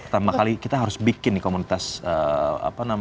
pertama kali kita harus bikin nih komunitas apa namanya